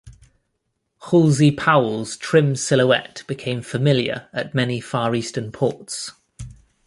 "Halsey Powell"s trim silhouette became familiar at many far eastern ports.